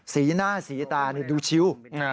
สีหน้าสีตาดูชิว